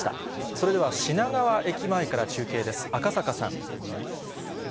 それでは品川駅前から中継です。